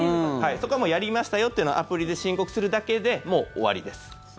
そこはやりましたよというのをアプリで申告するだけでもう終わりです。